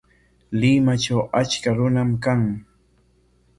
Limatraw achka runam kan.